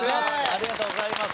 ありがとうございます。